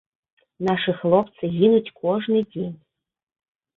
Нашы хлопцы гінуць кожны дзень.